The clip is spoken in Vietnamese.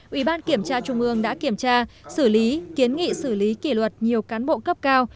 ủy ban kiểm tra trung ương đã kiểm tra xử lý kiến nghị xử lý kỷ luật nhiều cán bộ cấp cao